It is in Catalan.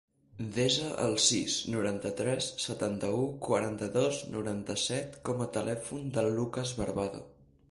Desa el sis, noranta-tres, setanta-u, quaranta-dos, noranta-set com a telèfon del Lucas Barbado.